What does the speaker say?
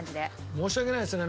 申し訳ないですね。